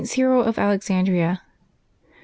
CYRIL OF ALEXANDRIA. 't.